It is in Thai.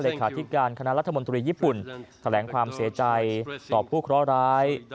ขาธิการคณะรัฐมนตรีญี่ปุ่นแถลงความเสียใจต่อผู้เคราะห์ร้าย